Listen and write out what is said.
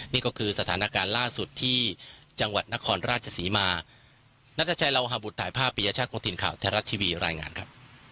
นี่ก็คือสถานการณ์ล่าสุดที่จังหวัดนครราชศรีมานัทชัยลาวหาบุตรถ่ายภาพปียชาติคงถิ่นข่าวไทยรัฐทีวีรายงานครับ